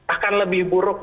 akan lebih buruk